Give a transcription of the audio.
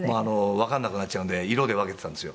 わかんなくなっちゃうんで色で分けてたんですよ。